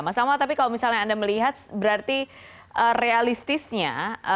mas amal tapi kalau misalnya anda melihat berarti realistisnya